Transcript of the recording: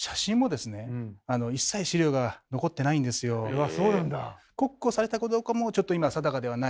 うわそうなんだ。